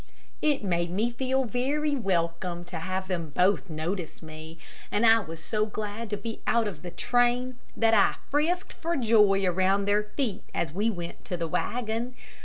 It made me feel very welcome to have them both notice me, and I was so glad to be out of the train that I frisked for joy around their feet as we went to the wagon.